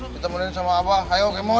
ketemuin sama abah ayo game mode